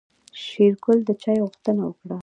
شېرګل د چاي غوښتنه وکړه.